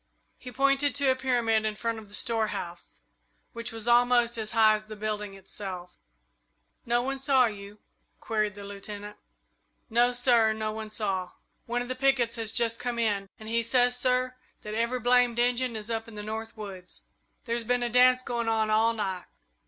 He pointed to a pyramid in front of the storehouse, which was almost as high as the building itself. "No one saw you?" queried the Lieutenant. "No, sir; no one saw. One of the pickets has just come in, and he says, sir, that every blamed Injun is up in the north woods. There's been a dance going on all night."